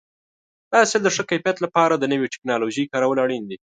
د حاصل د ښه کیفیت لپاره د نوې ټکنالوژۍ کارول اړین دي.